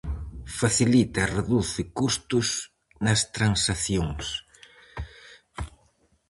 Facilita e reduce custos nas transaccións.